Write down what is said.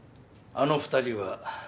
あの２人は。